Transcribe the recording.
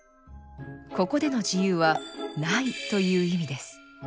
ここでの自由は「無い」という意味です。